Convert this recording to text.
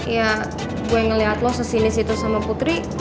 ya gue ngeliat lo sesini situ sama putri